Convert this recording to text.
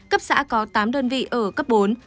cấp xã có tám đơn vị ở cấp bốn